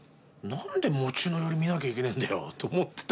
何で餅のヨリ見なきゃいけねえんだよと思ってたら。